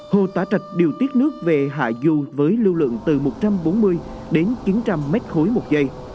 hồ tả trạch điều tiết nước về hạ lưu với lưu lượng từ một trăm bốn mươi đến chín trăm linh mét khối một giây